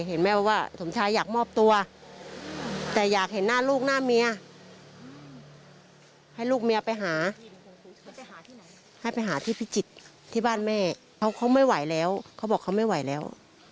ให้ไปหาที่พิจิตรที่บ้านแม่เขาไม่ไหวแล้วเขาบอกเขาไม่ไหวแล้ว